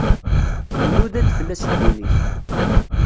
Nnuda-d fell-as ddunit.